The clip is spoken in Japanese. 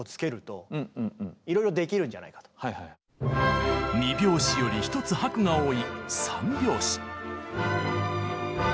だから２拍子より１つ拍が多い３拍子。